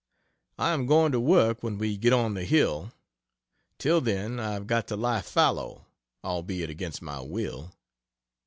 I am going to work when we get on the hill till then I've got to lie fallow, albeit against my will.